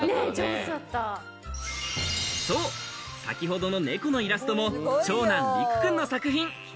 そう、先ほどの猫のイラストも長男・竜空くんの作品。